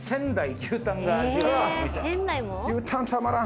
牛タンたまらん。